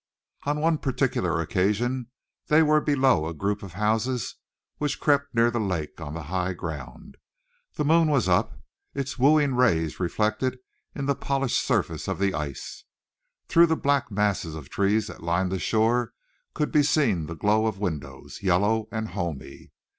On one particular occasion they were below a group of houses which crept near the lake on high ground. The moon was up, its wooing rays reflected in the polished surfaces of the ice. Through the black masses of trees that lined the shore could be seen the glow of windows, yellow and homey.